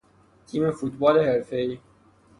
تیم فوتبال حرفهای